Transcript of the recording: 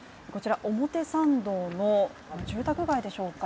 表参道の住宅街でしょうか